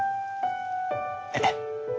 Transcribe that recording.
えっ？